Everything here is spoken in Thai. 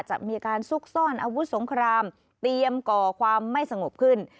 จะมีการซุกซ่อนอาวุธสงครามเตรียมก่อความไม่สงบขึ้น